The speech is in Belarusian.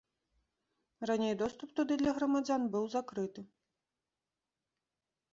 Раней доступ туды для грамадзян быў закрыты.